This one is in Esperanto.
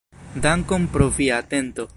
Dankon pro via atento.